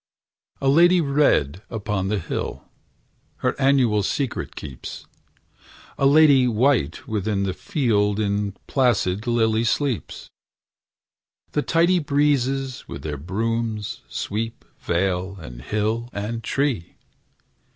A lady red upon the hill Her annual secret keeps; A lady white within the field In placid lily sleeps! The tidy breezes with their brooms Sweep vale, and hill, and tree!